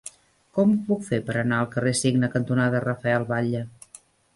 Com ho puc fer per anar al carrer Cigne cantonada Rafael Batlle?